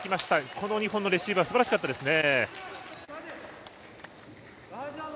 この２本のレシーブはすばらしかったですね。